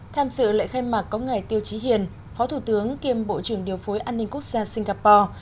tham dự lễ khai mạc có ngài tiêu chí hiền phó thủ tướng kiêm bộ trưởng điều phối an ninh quốc gia singapore